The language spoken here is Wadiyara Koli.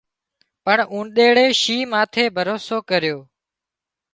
پڻ اونۮيڙي شينهن ماٿي ڀروسو ڪريو